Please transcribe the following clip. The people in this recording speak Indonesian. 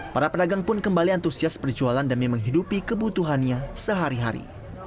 para pedagang pun kembali antusias perjualan demi menghidupi kebutuhannya sehari hari